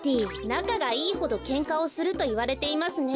なかがいいほどケンカをするといわれていますね。